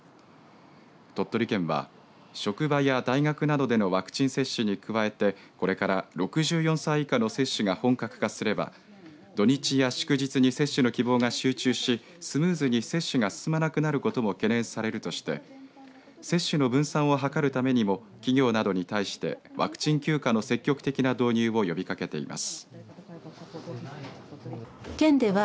鳥取県は、職場や大学などでのワクチン接種に加えてこれから、６４歳以下の接種が本格化すれば土日や祝日に接種の希望が集中しスムーズに接種が進まなくなることも懸念されるとして接種の分散を図るためにも企業などに対してワクチン休暇の積極的な導入を呼びかけています。